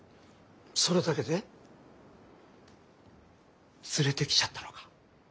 それだけで連れてきちゃったのか。